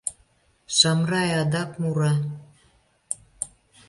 Шамрай адак мура: